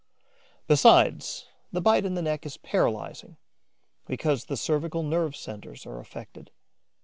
Besides, the bite in the neck is paralysing, because the cervical nerve centres are affected.